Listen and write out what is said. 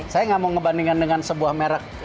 saya nggak mau ngebandingkan dengan sebuah merek